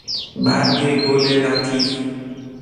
برگ گل لطیف